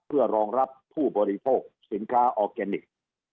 เพื่อรองรับผู้บริโภคสินค้าออร์แกนิค